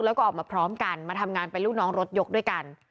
แล้วก็ออกมาพร้อมกันมาทำงานเป็นลูกน้องรถยกด้วยกัน